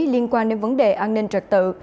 liên quan đến vấn đề an ninh trật tự